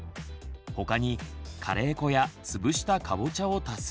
他にカレー粉やつぶしたかぼちゃを足す。